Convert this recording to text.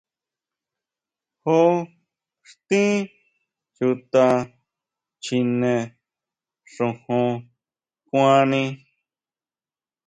Jon xtín Chuta chjine xojon kuani.